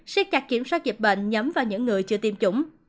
xét cắt kiểm soát dịch bệnh nhắm vào những người chưa tiêm chủng